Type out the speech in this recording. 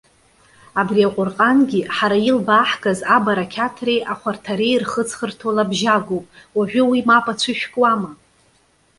Абри Аҟәырҟангьы, ҳара илбааҳгаз абарақьаҭреи ахәарҭареи ирхыҵхырҭоу лабжьагоуп. Уажәы уи мап ацәышәкуама?